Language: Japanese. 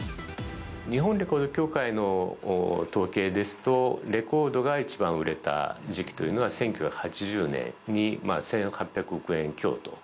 日本レコード協会の統計ですと、レコードが一番売れた時期というのは、１９８０年に１８００億円